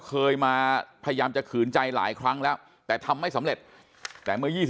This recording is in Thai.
เคยมาพยายามจะขืนใจหลายครั้งแล้วแต่ทำไม่สำเร็จแต่เมื่อ๒๐